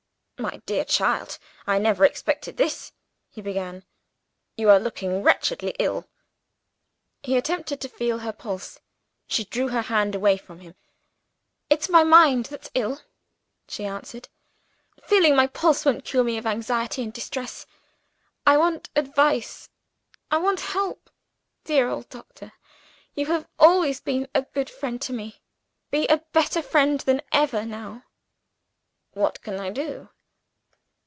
"My dear child, I never expected this," he began. "You are looking wretchedly ill." He attempted to feel her pulse. She drew her hand away from him. "It's my mind that's ill," she answered. "Feeling my pulse won't cure me of anxiety and distress. I want advice; I want help. Dear old doctor, you have always been a good friend to me be a better friend than ever now." "What can I do?"